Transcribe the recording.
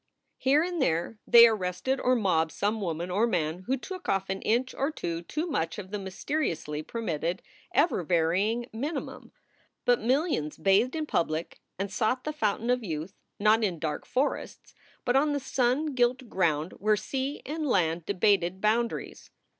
Here and there they arrested or mobbed some woman or man who took off an inch or two too much of the mysteri ously permitted, ever varying minimum. But millions bathed in public and sought the fountain of youth not in dark forests, but on the sun gilt ground where sea and land debated boundaries.